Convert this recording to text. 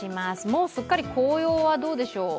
もうすっかり紅葉はどうでしょう？